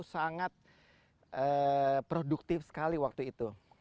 sangat produktif sekali waktu itu